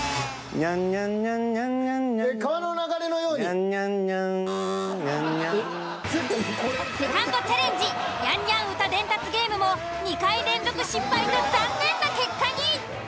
ニャンニャンセカンドチャレンジニャンニャン歌伝達ゲームも２回連続失敗と残念な結果に！